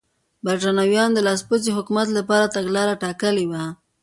برېټانویانو د لاسپوڅي حکومت لپاره تګلاره ټاکلې وه.